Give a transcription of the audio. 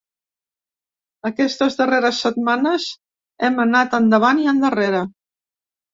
Aquestes darreres setmanes hem anat endavant i endarrere.